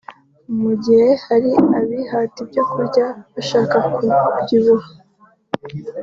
Mu gihe hari abihata ibyo kurya bashaka kubyibuha